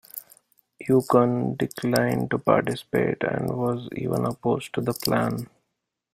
Ukon declined to participate and was even opposed to the plan.